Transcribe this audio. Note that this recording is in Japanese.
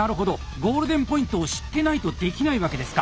ゴールデンポイントを知ってないとできないわけですか。